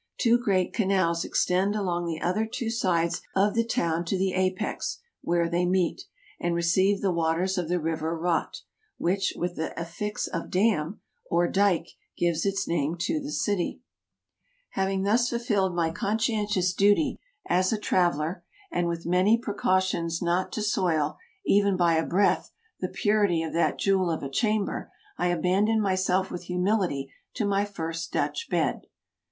Two great canals extend along the other two sides of the town to the apex, where they meet, and receive the waters of the river Rotte, which, with the affix of dam, or dyke, gives its name to the city. 198 TRAVELERS AND EXPLORERS Having thus fulfilled my conscientious duty as a trav eler, and with many precautions not to soil, even by a breath, the purity of that jewel of a chamber, I abandoned myself with humility to my first Dutch bed.